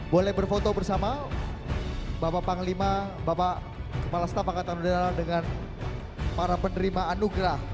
boleh berfoto bersama bapak panglima bapak kepala staf angkatan udara dengan para penerima anugerah